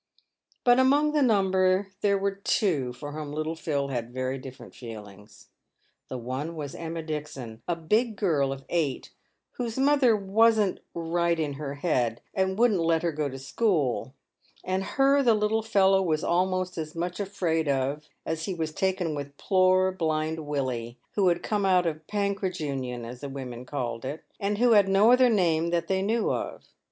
But among* the number there were two for whom little Phil had very different feelings. The one was Emma Dixon, a big girl of eight, I whose mother wasn't " right in her head," and wouldn't let her go to school ; and her the little fellow was almost as much afraid of as he was taken with poor blind Willie, who had come out of " Pancridge Union," as the women called it, and who had no other name that they knew of.